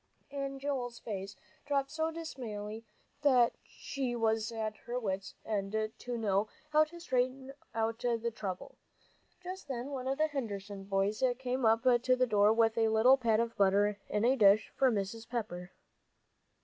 And Joel's face dropped so dismally that she was at her wits' end to know how to straighten out the trouble. Just then one of the Henderson boys came up to the door with a little pat of butter in a dish for Mrs. Pepper.